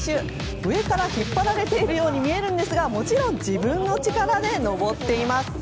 上から引っ張られているように見えるんですがもちろん自分の力で登っています。